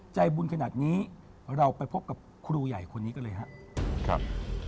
ใจบุญขนาดนี้เราไปพบกับครูใหญ่คนนี้กันเลยครับ